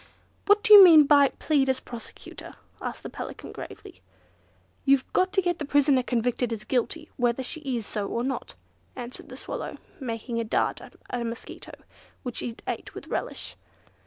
"What do you mean by 'Plead as Prosecutor?'" asked the Pelican gravely. "You've got to get the prisoner convicted as guilty, whether she is so or not," answered the Swallow, making a dart at a mosquito, which it ate with relish.